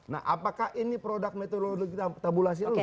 nah apakah ini produk metodologi tabulasi atau